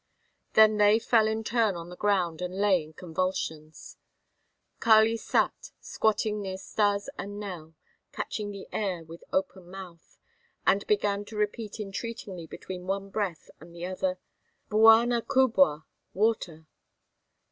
Then they fell in turn on the ground and lay in convulsions. Kali sat, squatting near Stas and Nell, catching the air with open mouth, and began to repeat entreatingly between one breath and the other: "Bwana kubwa, water."